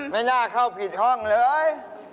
ไม่น่าเข้าผิดห้องเลย